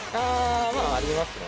まあ、ありますね。